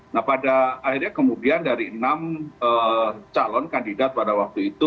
nah pada akhirnya kemudian dari enam calon kandidat pada waktu itu